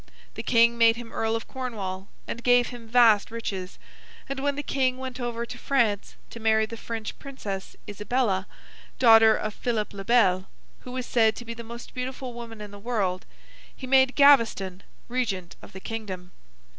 The King made him Earl of Cornwall, and gave him vast riches; and, when the King went over to France to marry the French Princess, Isabella, daughter of Philip le Bel: who was said to be the most beautiful woman in the world: he made Gaveston, Regent of the Kingdom.